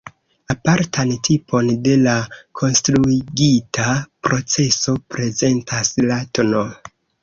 Apartan tipon de la konstruigita proceso prezentas la tn.